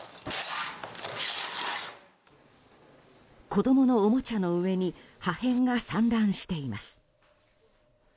子供のおもちゃの上に破片が散乱しています。